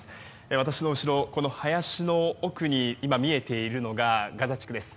私の後ろこの林の奥に見ているのがガザ地区です。